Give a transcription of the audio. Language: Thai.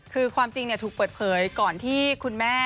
คือความจริงถูกเปิดเผยก่อนที่คุณแม่